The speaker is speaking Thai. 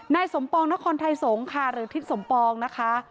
นายสมปองนครไทยสงฆ์ค่ะหรือทิศสมปองนะคะ